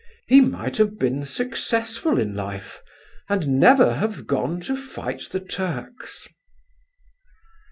He might have been successful in life, and never have gone to fight the Turks."